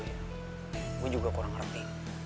gue juga kurang ngerti